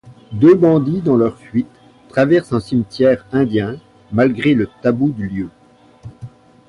Deux bandits dans leur fuite traversent un cimetière indien, malgré le tabou du lieu.